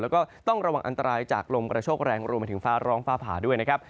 แล้วก็ต้องระวังอันตรายจากลมกระโชคแรงรวมไปถึงฟ้าร้องฟ้าผ่าด้วยนะครับ